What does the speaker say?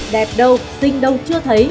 đẹp đâu xinh đâu chưa thấy